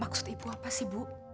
masuk masuk masuk